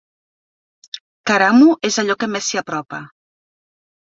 Karamu és allò que més s'hi apropa.